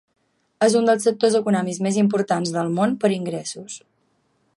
És un dels sectors econòmics més importants del món per ingressos.